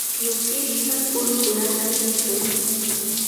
Yukishqa kurukunatami mikun.